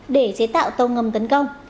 để chế tạo tàu ngầm tấn công